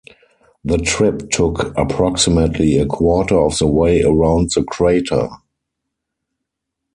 The trip took approximately a quarter of the way around the crater.